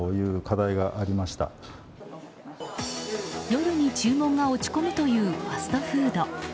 夜に注文が落ち込むというファストフード。